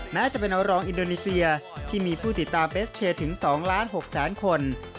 แม้จะเป็นรองอินโดนีเซียที่มีผู้ติดตามเอสเชียร์ถึง๒ล้าน๖แสนคน